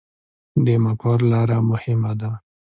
د مقر لاره مهمه ده